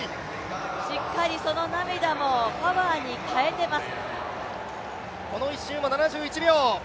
しっかりその涙もパワーに変えてます。